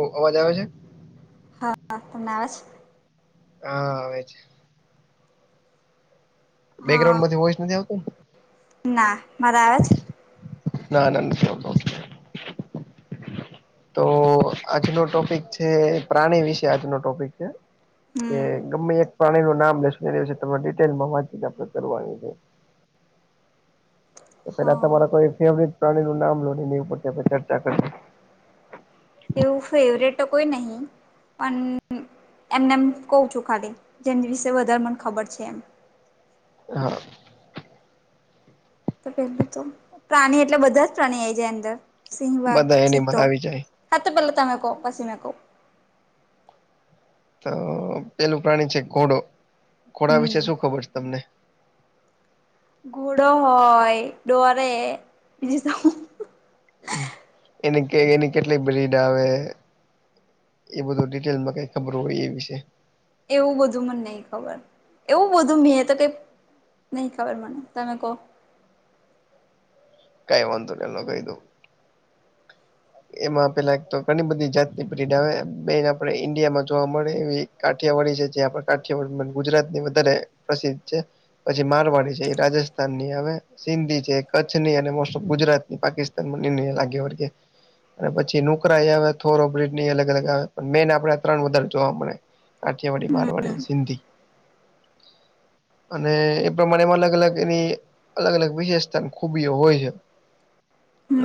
ઓ અવાજ આવે છે. હા હા તમને આવે છે. હા આવેવે છે. હા બેકગ્રાઉડ માંથી વોઇસ નથી આવતો ના મારો આવે છે. ના ના નથી આવતો તો આજનો ટોપિક છે પ્રાણી વિશે આજનો ટોપિક છે. કે હમ ગમે એક પ્રાણી નું નામ લેશું એના વિસે તમારે ડિટેલમાં વાત આપણે કરવાની છે. પેલા હા તમારા કોઈ ફેવરટ પ્રાણી નું નામ લો એની ઉપરથી આપણે ચર્ચા કરીશું એવું ફેવરેટ તો કોઈ નહી પણ એમને એમ કઉ છું ખાલી જેની વિશે વધારે મને ખબર છે એમ હા પેલું તો પ્રાણી એટલે બધા જ પ્રાણી આઈ જાય અંદર સિંહ, વાઘ, બધા એનિમલ ચિત્તો આવી જાય હા તો પેલા તમે કો પછી મે કવ તો પેલું પ્રાણી છે ઘોડો ઘોડા વિશે હમ શું ખબર છે તમને ઘોડો હોય દોડે બીજું એની કે એની કેટલી બ્રીડ આવે એવુ નથી કે અમને કઈ ખબર હોય એ વિશે એવું બધું મને નય ખબર એવું બધું મેં તો કઈ નય ખબર મને તમે કો. કઈ વાંધો ની એમને કય દવ. એમાં પેલા તો ઘણી બધી જાતની [unintelligible] આવે બેન આપડે ઈન્ડિયામાં જોવા મળે એવી કાઠિયાવાડી છે જે આપડે કાઠિયાવાડી, ગુજરાત ની વધારે પ્રસિદ્ધ છે. પછી મારવાડી છેઈ રાજસ્થાન ની આવે. સિંધી છે, કચ્છની અને મોસ્ટ ઓફ ગુજરાત ની પાકિસ્તાન બને ને લાગે વળગે. અને પછી નુકરાઈ આવે થોરો બ્રિડની અલગ અલગ આવે પણ મેઈન આપડે ત્રણ વધારે જોવા મળે. કાઠીયાવાડી, હમ મારવાડી ને સિંધી. અને એ પ્રમાણે એમાં અલગ અલગ એની અલગ અલગ વિશેષતા ને ખુબી હોય છે.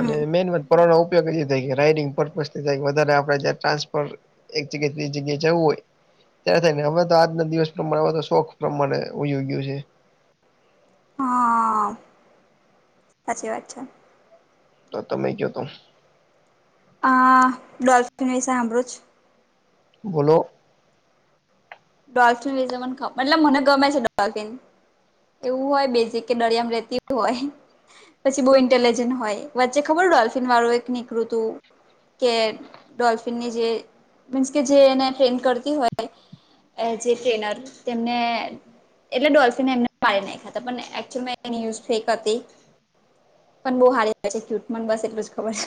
અને મેઇન વાત પઅર એના ઉપયોગ રાઇડિંગ પર્પઝ કઈ વધારે આપડે ટ્રાન્સફર એક જગ્યા એ થી બીજી જગ્યાએ જવું હોય. ત્યારે તો હવે આજનો દિવસ રમાડવા નો શોખ રમવાનું ભૂલી ગયો છે. હા. સાચી વાત છે. તો તમે ગિયા તા હા ડોલ્ફિન ની સામે જ બોલો. ડોલ્ફિન વિશે મન મતલબ મને ગમે છે ડોલ્ફિન. એવું હોય બેઝીક કે દરિયા માં વેહતી હોય. પછી બો ઇન્ટેલિજન્ટ હોય વચ્ચે ખબર ડોલ્ફિન વાળું એક નીકળુંતું કે ડોલ્ફિનની જે મીન્સ કેજે એને ટ્રેન કરતી હોય. એજે ટ્રેનર તેમે એટલે ડોલ્ફિને એમને પાડ નાંયખા તા પણ એક્ચૂલ માં એ ન્યૂઝ ફેક હતી. પણ બો હારી છે, ક્યુટ મન બસ એટલું જ ખબર.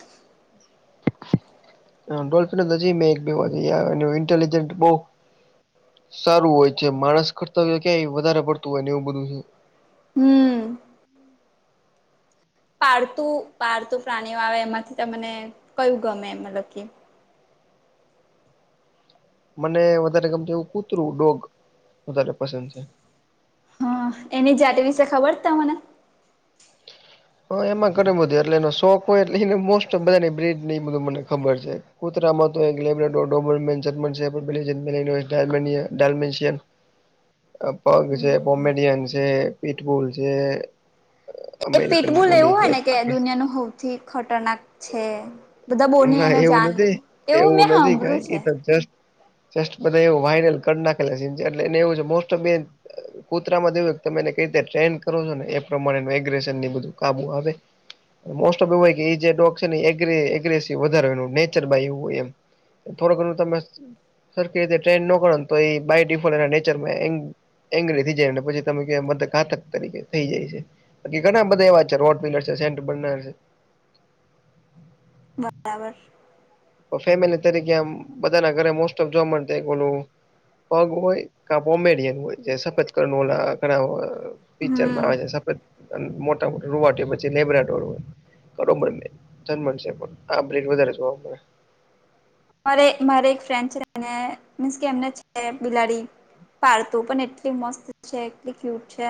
ડોલ્ફને નજી એક એનું ઇન્ટેલિજન્ટ બો સારું હોય છે, માણસ કર્તવ્ય કંઈ વધારે પડતું હોય ને એવું બધું છે‌. હમમ. પાળતું -પાળતું પ્રાણીઓ આવે એમાંથી તમને કયું ગમે મતલબ કે મને વધારે ગમતું કૂતરું, ડોગ વધારે પસંદ છે. હા એની જાતિ વિશે ખબર છે તમને. હા એમાં ઘણી બધી એટલે એનો શોખ હોય એટલે મોસ્ટઓફ બધાની બ્રિજને એ બધું મને ખબર છે‌. કૂતરામા તો એક લેબર [unintelligible] [inaudible] પગ વિશે હમ. કોમેડિયન છે, પીઠબુલ છે. એ અમેરિકન પીટબુલ બુલી એવું હોય છે, નેકે પાકિસ્ દુનિયાનું હવથી ખતરનાક છે, બધા બોની ના એને એવું જાણ નથી એવું નથી કંઈક ઈ તો જસ્ટ જસ્ટ બધું એવું વાયરલ કરી નાખેલા છે એટલે એવું છે મોસ્ટ ઓફ બેન. કુતરામા તો એવું તમે એને કંઈ રીતે ટ્રેન કરો છો, ને એ પ્રમાણે માઇગ્રેશન બધું. કાબુ માં રેય. અને મોસ્ટ ઓફ એવુંય હોય એ જે ડોગ એગ એગ્રેસીવ વધારે હોય એનું નેચર બાય એવું હોય એમ. થોડું ઘણું તમે સરખી રીતે ટ્રેન ન કરો તો એ બાય ડિફોલ્ટ નેચરમાં એમ. એગ્રી થય જાય ને પછી તમે કે બધા ઘાથક થઈ જાય છે, ઘણા બધા એવા છે. સર્વા પિલર છે સેન્ટ બનાવેલ છે. બરાબર. તો ફેમિલી તરીકે આમ બધાના ઘરે મોસ્ટ ઓફ જોવા મળે એક ઓલું. પગ હોય કાંઈ કોમેડિયન હોય જે સફત કણ ઓલા કરવા પિક્ચરમાં હમ આવે છે, સફેદ મોટા મોટા રુવાંટી હોય પછી લેબરા કન હોય. કરે મેને છે, પણ આ બધું વધારે જોવા મળે. મારે મારે એક ફ્રેન્ડ છે, ને મીન્સ કે એમને છે બિલાડી. પાળતું પણ એટલી મસ્ત છે, એટલી ક્યુટ છે.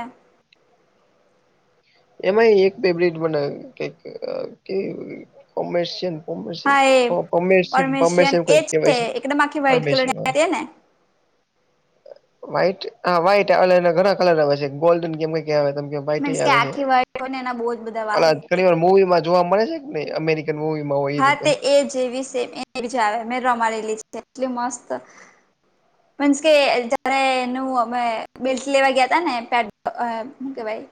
એમાં એક બે બ્રિટ બનાયું કે કે અ કોમેશિયન. હા એ પોમેશીયન પરમેશિયન પોમેશીયન એવું એ કંઈ કેવાય છે, એકદમ આખી વ્હાઈટ પરમેશ કલર ની હા હતી ને [unintelligible] [inaudible] વ્હાઈટ હા વ્હાઈટ એટલે એના ઘણા કલર આવે છે, ગોલ્ડન કે એમ કંઈક એ આવે તમ [inaudible] મીન્સ કે આખી વાળ ને એના બહુ જ બધ ઓલા ઘણીવાર મુવીમાં જોવા મળે છે કે નહીં અમેરિકન મુવીમાં હોય‌. હા તે એ જેવી સે ને એવી જ આવે મેં રમાડેલી છે. એટલી મસ્ત હ [inaudible] મીન્સ કે જયારે એનું અમે બેલ્ટ લેવા ગયા તાને ત્યારે અ હું કેવાય.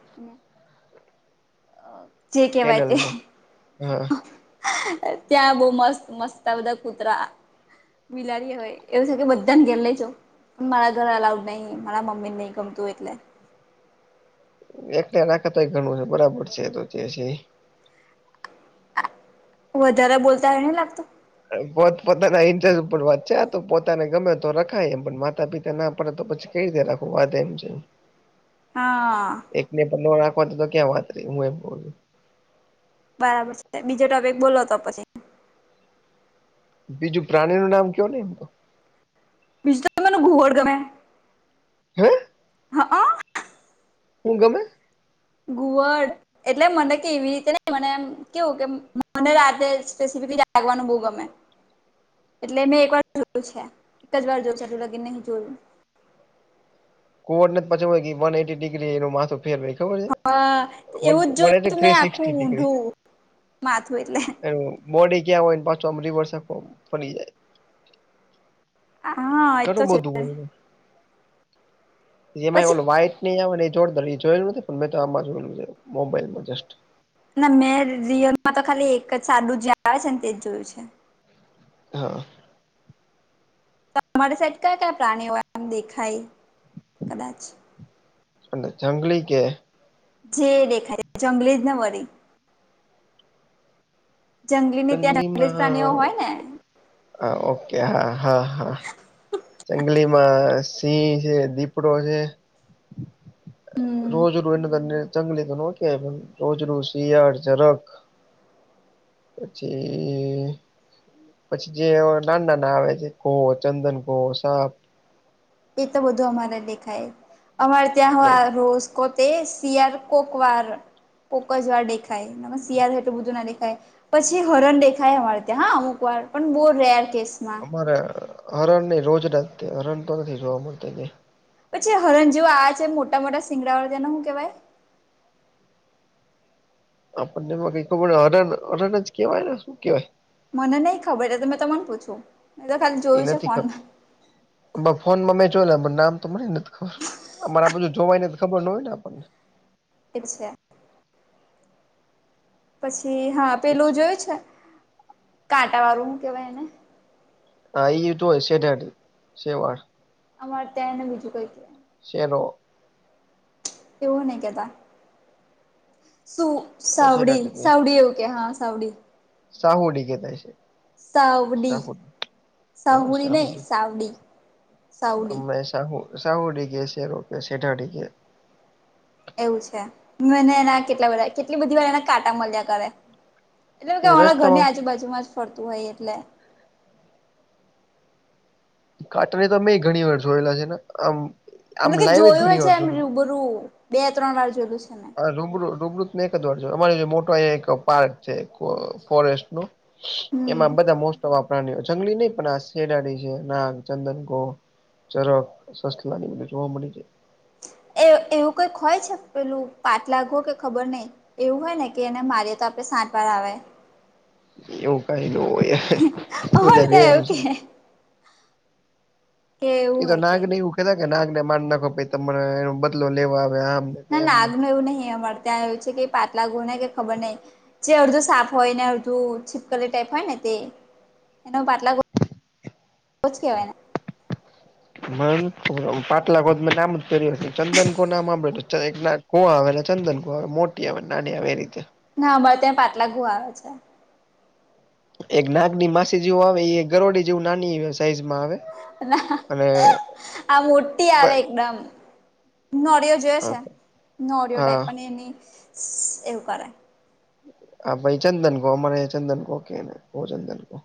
જે કેહેવાય તે. કેનલમાં હા હહ ત્યાં બહુ મસ્ત મસ્ત આ બધા કૂતરા. બિલાડી હોય એવું છે, કે બધાને ઘેર લઈ જઉં. અમારા ઘરે અલાઉડ નહીં, મારા મમ્મીને નહી ગમતું એટલે. એકલા નાખતાય ઘણું છે, બરાબર છે, એ તો જે છે ઈ. આ વધારે બોલતા હોય એવું નહી લાગતું? પોત પોતાના ઇન્ટરેસ્ટ ઉપર વાત છે આતો પોતાને ગમે તો રખાય. એમ પણ માતા પિતા ના પાડે તો પછી કંઈ રીતે રાખું વાત એમ છે. હા. એકને પંદર રાખવા તો ક્યાં વાત રહી હું એમ કહું છું. બરાબર છે, બીજો ટોપિક બોલો તો પછી. બીજું પ્રાણીનું નામ કયો ને એમ તો. બીજું તો મને ઘુવડ ગમે. હે? હઅ હું ગમે? ઘુવડ એટલે મને કે એવી રીતે ને મને આમ કેવું કે મને રાતે સ્પેસફલી લાગવાનું બહુ ગમે. એટલે મેં એક વાર જોયું છે એક જ વાર જોયું છે એટલું લગીન નહી જોયું. ઘુવડને તો પછી વન એઈટી ડિગ્રી એનું માથું ફેરવે. ખબર છે. હા એવું જ વન જોયું એટી તું મેં થ્રી આખું સિક્સટી ડિગ્રી ઊઢું માથું એટલે. એનું બોડી ક્યાં હોય ને પાછો આમ રિવર્ આખો ફરી જાય. હા એ તો ઘણું છે બધું હોય છે. એમાં પછી ઓલો વાઈટ ને આવે ને એ જોરદાર એ જોયેલું નથી પણ મે તો આમાં જોયેલું છે મોબાઈલમાં જસ્ટ. ના મેં રિયલમાં તો ખાલી એક જ સાડું જ્યાં આવે છે ને તે જ જોયું છે. હહ તમારી સાઇડ કયા કયા પ્રાણીઓ આમ દેખાય કદાચ. એટલે જંગલી કે? જે દેખાય જંગલી જ ને વરી. જંગલીને ત્યાં જંગલી પ્રાણીઓ જંગલીમાં હોય ને હ ઓકે હા હા હા. [inaudible] જંગલીમાં સિંહ છે, દીપડો છે. હમ રોજરૂ એને તો જંગલી તો નો કેવાય પણ રોજરૂ શિયાળ, જરખ. પછી પછી જે નાના નાના આવે જે ગો, ચંદન ગો, સાપ. એ તો બધું અમારે દેખાય. અમારે ત્યાં હહ આ રોશ. કો તે શિયાળ કોક વાર કોક જ વાર દેખાય ના શીયાળ એટલું બધું ના દેખાય. પછી હરણ દેખાય અમારે ત્યાં હા અમુક વાર પણ બોહ રેર કેસમાં. અરે હરણ નહી રોજ રા હરણ તો નથી જોવા મળત જે. પછી હરણ જેવુ આ છે, મોટા-મોટા સિંગડાવાળુ એને હું કેવાય? આપણને એમાં કઈ ખબર હરણ હરણ જ કેવાયને શું કેવાય? મને નઈ ખબર એ તો મેં તમન પૂછું. મેં તો ખાલી એ જોયું છે નથી ખબર. ફોનમાં ફ-ફોનમાં મેં જોયેલા મન નામ તો મને અમાર આ બધું જોવાયને ખબર ન હોયને આપડને. [unintelligible] શે. પછી હા, પેલું જોયું છે કાંટા વાળું હુ કેવાય એને? હઅ, ઈ યુ તો એસેટેડ સેવાળ. અમાર ત્યાં એને બીજું કઈ કે. સેલો એવું નઈ કેતા. શું સાઉડી શેઢાડી, સાઉડી એવું કે હા, સાઉડી. સાહુડી કેતા હશે. સાઉડી સાહુડી સાહુડી નઈ સાવડી સાવડી. તે શાહુ સાહુડી કે છે રો સેઠાડી કે. એવું છે મને એના કેટલા બધા કેટલી બધી વાર એના કાંટા મલ્યા કરે. એટલે કે એ અમારા ઘરની રસ્તામાં આજુ બાજુમાં જ ફરતું હોય એટલે. કાટને તો અમે ઘણીવાર જોયેલા છે એના આમ આમ એટલે કે લાઈવ જોયું ઘણી હ છે વાર એમ જોયુ રૂબરૂું બે ત્રણ વાર જોયું છે ને. અ રૂબરૂ રૂબરૂત એક જ વાર અમારી મોટા અયા એક પાર્ક છે ફોરેસ્ટ નું હમ એમાં બધા મોસ્ટ ઓફ આ પ્રાણીઓ જંગલી ની પણ આ શેડાડી છે, નાગ, ચંદન ઘો ચરક સસલાની એ બધુ જોવા મળે છે. એ એવું કઈક હોય છે પેલું પાટલા ઘો કે ખબર નઈ. એવું હોય ને કે એને મારીએ તો આપડે સાત વાર આવે. એવું કઈ ન હોય એ અમાર બધા રે ત્યાં એમ એવું છે કે. કે એ એવું તો હોય કે નાગને એવું કેતા કે નાગને માર નાખો પહી તમને બદલો લેવા આમ. ના, નાગનો એવું નહી અમાર ત્યાં એવુ છે કે પાટલા ઘો ને કે ખબર નઈ જે અડધું સાપ હોયને અડધું છીપકલી ટાઈપ હોય ને તે એને પાટલા ઘો જ કહેવાય ને. મને નથ ખબર આવુ. પાટલા ઘો ત મે નામ જ પેહલીવાર [unintelligible] ચંદન ઘો નામ હાંભળેલું એક હુ આવેને ચંદન ઘો આવે મોટી આવે નાની આવે એ રીતે. ના, અમાર ત્યાં પાટલા ઘો આવે છે. એક નાગની માસી જેવું આવે એ ગરોડી જેવું નાની વી સાઈઝમાં આવે. ના, અને આ મોટી આવે એકદમ નોડીયો જોયો છે, નોડીયા હા ટાઈપ પણ એની શી એવુ કરે. હા, ભઈ ચંદન ઘો, અમાર અહીંયા ચંદન ઘો કે એને ઘો ચંદન ઘો.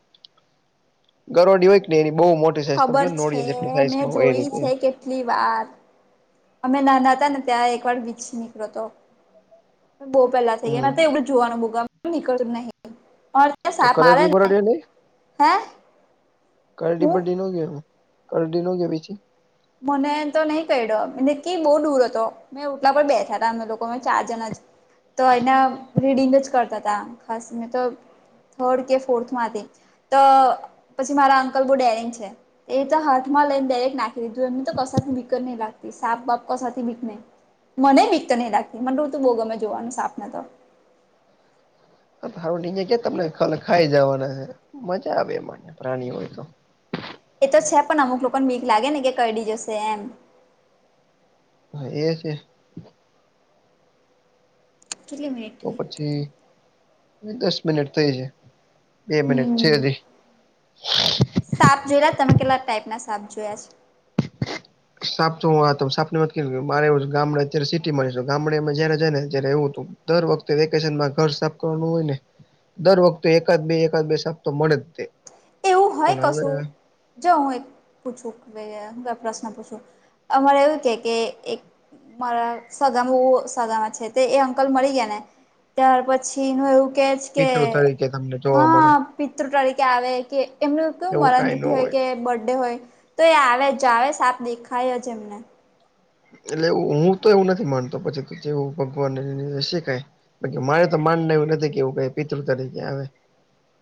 ગરોડી હોય ક એની બઉ મો ખબર છે, મેં જોઈ છે કે ટલીવાર, અમે નાના હતાને ત્યાં એક વાર વીંછી નીકળ્યો તો. બોઉ પેલા થઈ ગઈ, હમ માર તો એવુંડુ જોવાનું બઉ ગમે, પણ નીકળતું જ નહી. તો સાપ મારે કરડયો ને બરડયો નઈ, હે કરડી હું બરડી ન ગયો હોય. કરડી ન ગયો વીંછી? મને તો નઈ કડ્યો વિકી બઈ દુર હતો. મે ઓટલા પર બેઠા તા, અમે લોકો ચાર જણા જ. તો એના રીડિંગ જ કરતા તા ખાસ મેં તો થર્ડ કે ફોર્થમાં હતી. તો પછી મારા અંકલ બઉ ડેરીગ છે એ તો હાથમાં લઈન ડાયરેક્ટ ના એને તો કશાથી બીક જ નથી લાગતી સાપથી પણ નહીં. મને બીક નથી લાગતી મને તો બહુ ગમે જોવાનું સાપ. એ ઉડીને ક્યાં તમને ખાઈ જવાના છે મજા આવે જોવાની. એ તો છે પણ અમુક લોકોને બીક લાગે ને કે કરડી જશે એમ. હા એ છે. કેટલી મિનિટ તો થઈ પછી દસ મિનિટ થઈ છે બે મિનિટ છે હમ હજી. તમે કેટલા ટાઈપના સાપ જોયા છે? [unintelligible] દર વખતે વેકેશનમાં ઘર સાફ કરવાનું હોય ને. દર વખતે એકાદ બે એકાદ બે સાપ તો મળે જ છે. એવું હોય કશું જો હું એક પૂછું પ્રશ્ન? અમારે એવું કે કે એક મારા સગામા સગા છે તે અંકલ મરી ગયા ને ત્યાર પછીનું એવું કે છે કે પિતૃ તરીકે તમને જોવા મળે હા પિતૃ તરીકે આવે કે એમનું કેું એવું મરણ કઈ ન તિથિ હોય કે બર્થડે હોય. તો એ આવે જ આવે સાપ દેખાય જ એમને. એટલે એ હું તો એવું નથી માનતો પછી જેવું ભગવાનને હશે કંઈ. મારે તો માનવું એવું નથી કે કઈ પિતૃ તરીકે આવે.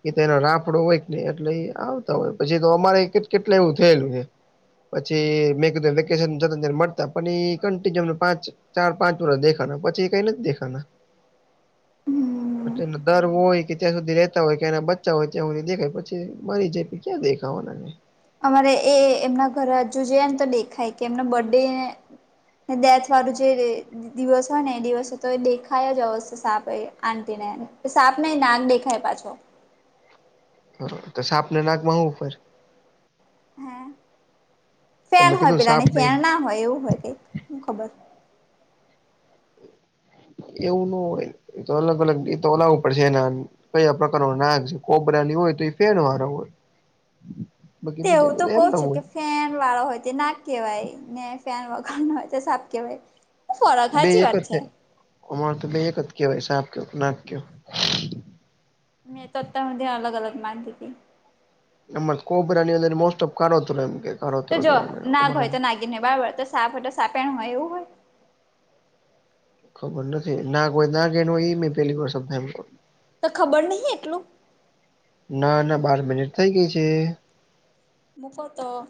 કે એનો રાફડો હોય એટલે આવતા હોય પછી તો અમારે જ કેટલી વાર એવું થયેલું છે. પછી મેં કીધું વેકેશન પછી એ ચાર પાંચ વર્ષ દેખાય ત્યારબાદ એ નથી દેખાયા. હ હમ એટ એ દર હોય કે ત્યાં સુધી રેતા હોય કે એના બચા હોય ત્યાં સુધી દેખાય પછી મરી જાય. ક્યા દેખાઑને. અમારે એ એમના ઘર હજુ જઈએ ને તો દેખાય કે એમના બર્ ડે. દથ વાળું જે. દિવસ હોય ને એ દિવસે તો એ દેખાય જ અવશે સાપ એ આટી ને સાપ નહી નાક દેખાય પાછો. બરોર તો સા આપને નાકમાં હોવું ફ. હ ફેન તમે હોય કીધું સાપ પેલાની ફેન નહી ના હોય એવું હોય હું ખબર. એવું ન હોય અલગ અલગ એ તોલાવું પડશેને. કયા પ્રકાર ન નાક છે કોબરાની હોય તો એ ફેણ વાળ હોય. બાકી તે બીજા એવું તો બધા એમ કઉ ના છું કે હોય. ફેન વાળા હોય તો ના કેવાય ને ફેન વગર ના હોય તો સાફ કેવાય. ફરક બે સાચી એક વાત જ છે અમાર તો બે એક જ કેવાય સાપ ક નાક કયો. મેં તોત્તા મ અલગ અલગ માનતી હતી. નમ કોબ્રણીની અ મોસ્ટ ઓફ કરાો હતોમ તો જો નાગ હોય તો નાગી ને બળબર તો સાપ હોય તો સાપેણ હોય એવું હોય. ખબર નથી ના કોઈ ના કે ન હોય એ મે પેલી વાર સમાય એ. તો ખબર નહિ એટલું. ના ના બાર મિનિટ થઇ ગઈ છે. મુકો તો.